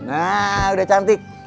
nah udah cantik